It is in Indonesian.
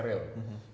dan bersih dan steril